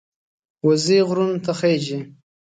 وزې غرونو ته خېژي